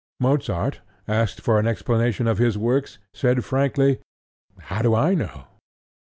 Mozart, asked for an explanation of his works, said frankly "How do I know?"